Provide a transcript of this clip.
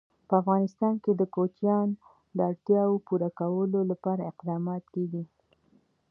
په افغانستان کې د کوچیان د اړتیاوو پوره کولو لپاره اقدامات کېږي.